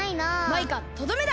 マイカとどめだ！